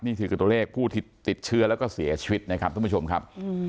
นี่คือตัวเลขผู้ที่ติดเชื้อแล้วก็เสียชีวิตนะครับท่านผู้ชมครับ